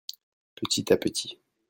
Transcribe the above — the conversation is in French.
petit à petit.